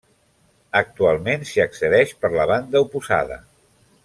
Actualment s'hi accedeix per la banda oposada.